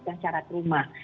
dan syarat rumah